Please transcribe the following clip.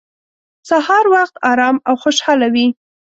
سهار وخت ارام او خوشحاله وي.